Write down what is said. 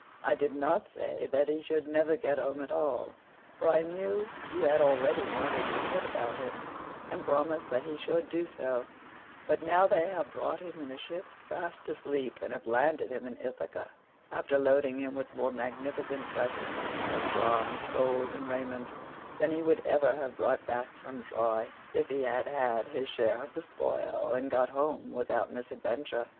I did not say that he should never get home at all, for I knew you had already nodded your head about it, and promised that he should do so; but now they have brought him in a ship fast asleep and have landed him in Ithaca after loading him with more magnificent presents of bronze, gold, and raiment than he would ever have brought back from Troy, if he had had his share of the spoil and got home without misadventure."